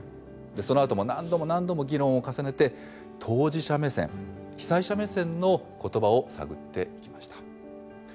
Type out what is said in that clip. そのあとも何度も何度も議論を重ねて当事者目線被災者目線の言葉を探ってきました。